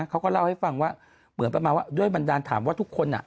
เขาก็เล่าให้ฟังว่าเหมือนประมาณว่าด้วยบันดาลถามว่าทุกคนอ่ะ